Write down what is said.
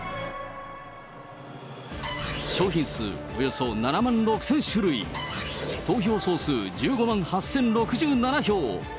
商品数およそ７万６０００種類、投票総数１５万８０６７票。